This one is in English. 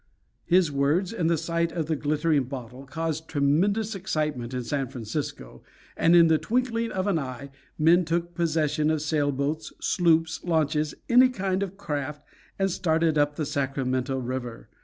His words, and the sight of the glittering bottle, caused tremendous excitement in San Francisco, and in the twinkling of an eye men took possession of sailboats, sloops, launches, any kind of craft, and started up the Sacramento River.